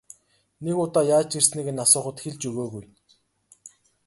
Нэг удаа яаж ирснийг нь асуухад хэлж өгөөгүй.